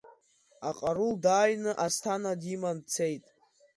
Аҟарул дааины Асҭана диман дцеит.